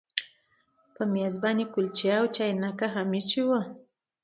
په میز باندې کلچې او یو چاینک هم ایښي وو